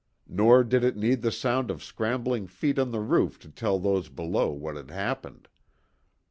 Nor did it need the sound of scrambling feet on the roof to tell those below what had happened.